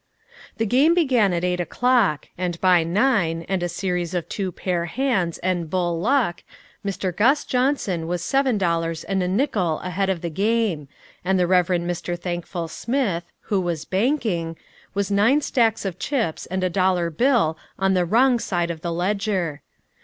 The game began at eight o'clock, and by nine and a series of two pair hands and bull luck Mr. Gus Johnson was seven dollars and a nickel ahead of the game, and the Reverend Mr. Thankful Smith, who was banking, was nine stacks of chips and a dollar bill on the wrong side of the ledger.